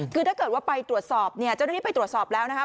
คือถ้าเกิดว่าไปตรวจสอบเนี่ยเจ้าหน้าที่ไปตรวจสอบแล้วนะครับ